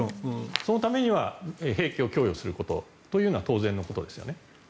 そのためには兵器を供与するというのは当然のことですよね。